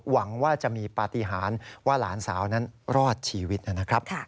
หวังว่าจะมีปฏิหารว่าหลานสาวนั้นรอดชีวิตนะครับ